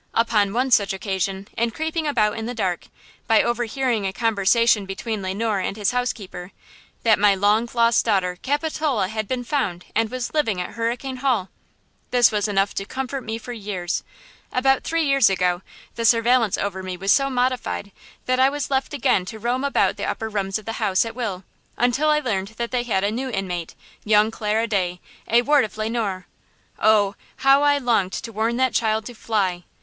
Upon one such occasion, in creeping about in the dark, I learned, by overhearing a conversation between Le Noir and his housekeeper, that my long lost daughter, Capitola, had been found and was living at Hurricane Hall! This was enough to comfort me for years. About three years ago the surveillance over me was so modified that I was left again to roam about the upper rooms of the house at will, until I learned that they had a new inmate, young Clara Day, a ward of Le Noir! Oh, how I longed to warn that child to fly!